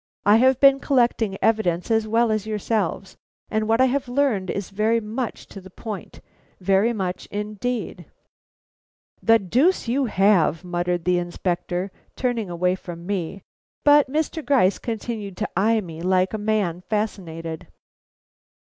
I have been collecting evidence as well as yourselves, and what I have learned is very much to the point; very much, indeed." "The deuce you have!" muttered the Inspector, turning away from me; but Mr. Gryce continued to eye me like a man fascinated.